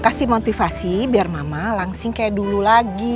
kasih motivasi biar mama langsing kayak dulu lagi